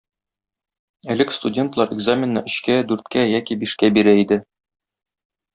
Элек студентлар экзаменны өчкә, дүрткә яки бишкә бирә иде.